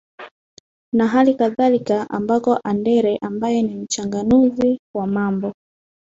na hali kadhalika amboka andere ambae ni mchanganuzi wa mambo